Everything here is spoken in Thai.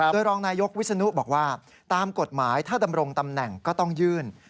โดยรองนายกวิศนุบอกว่าตามกฎหมายถ้าดำรงตำแหน่งก็ต้องยื่น